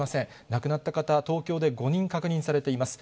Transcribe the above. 亡くなった方、東京で５人確認されています。